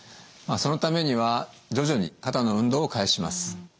まあそのためには徐々に肩の運動を開始します。